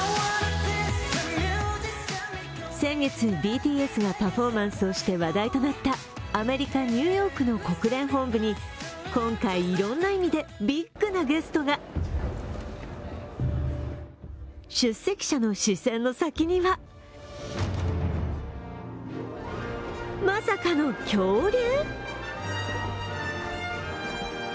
先月、ＢＴＳがパフォーマンスをして話題となったアメリカ・ニューヨークの国連本部に今回いろいろな意味でビッグなゲストが出席者の視線の先にはまさかの恐竜？